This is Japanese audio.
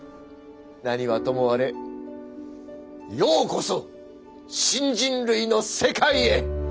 何はともあれようこそ新人類の世界へ！